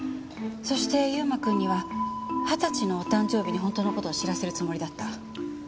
そして優馬くんには二十歳のお誕生日に本当の事を知らせるつもりだった。